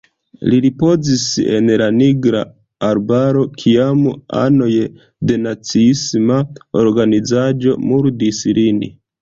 Li ripozis en la Nigra Arbaro, kiam anoj de naciisma organizaĵo murdis lin.